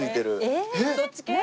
そっち系？